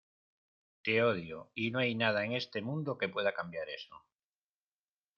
te odio y no hay nada en este mundo que pueda cambiar eso.